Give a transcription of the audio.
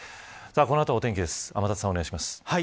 この後はお天気です。